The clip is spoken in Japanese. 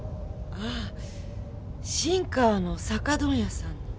ああ新川の酒問屋さんの。